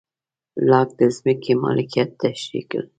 لاک د ځمکې مالکیت تشرېح کړ.